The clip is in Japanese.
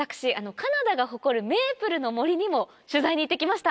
カナダが誇るメープルの森にも取材に行ってきました。